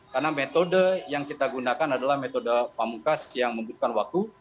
karena metode yang kita gunakan adalah metode pamungkas yang membutuhkan waktu